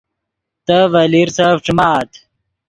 تے ڤے لیرسف ݯیمآت